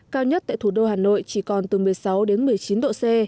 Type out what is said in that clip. cao nhất tại thủ đô hà nội chỉ còn từ một mươi sáu đến một mươi chín độ c